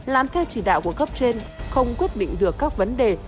làm theo chỉ đạo của cấp trên không quyết định được các vấn đề